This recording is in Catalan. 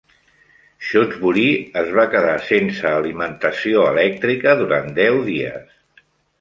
Shutesbury es va quedar sense alimentació elèctrica durant deu dies.